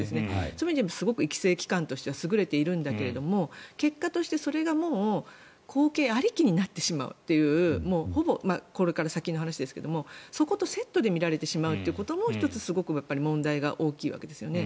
そういう意味でもすごく育成機関としては優れているんだけど結果としてそれが後継ありきになってしまうというほぼ、これから先の話ですがそことセットで見られてしまうことも１つ問題が大きいわけですね。